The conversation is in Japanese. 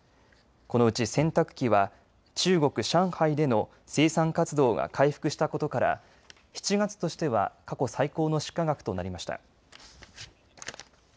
このうち洗濯機は中国・上海での生産活動が回復したことから７月としては過去最高の出荷額となりました。